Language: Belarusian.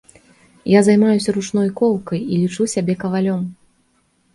Я займаюся ручной коўкай і лічу сябе кавалём.